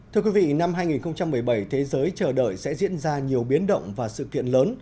thưa quý vị năm hai nghìn một mươi bảy thế giới chờ đợi sẽ diễn ra nhiều biến động và sự kiện lớn